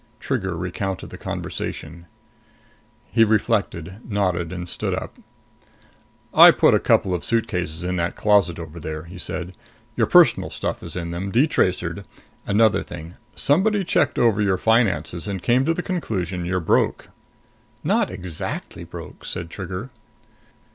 Trigger recounted the conversation. He reflected, nodded and stood up. "I put a couple of suitcases in that closet over there," he said. "Your personal stuff is in them, de tracered. Another thing somebody checked over your finances and came to the conclusion you're broke." "Not exactly broke," said Trigger.